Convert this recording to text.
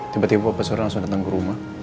tiba tiba papa surya langsung datang ke rumah